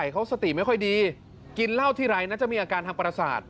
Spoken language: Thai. เขาสติไม่ค่อยดีกินเหล้าทีไรน่าจะมีอาการทางประสาท